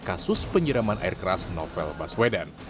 ketika penyiram air keras novel baswedan